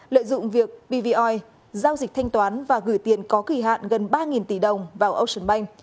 lợi dụng việc pvoi giao dịch thanh toán và gửi tiền có kỳ hạn gần ba tỷ đồng vào ocean bank